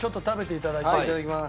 いただきます。